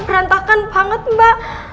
berantakan banget mbak